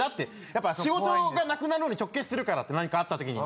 やっぱ仕事が無くなるのに直結するからって何かあった時に。